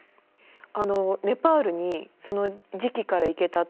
あのネパールにその時期から行けたって。